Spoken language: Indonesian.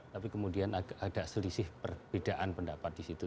tapi kemudian ada selisih perbedaan pendapat di situ